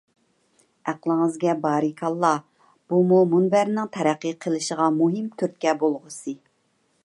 ئەقلىڭىزگە بارىكاللا! بۇمۇ مۇنبەرنىڭ تەرەققىي قىلىشىغا مۇھىم تۈرتكە بولغۇسى.